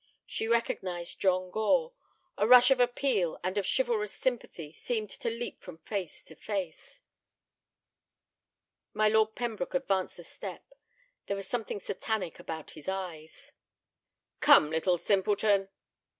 She recognized John Gore. A rush of appeal and of chivalrous sympathy seemed to leap from face to face. My Lord of Pembroke advanced a step. There was something satanic about his eyes. "Come, little simpleton."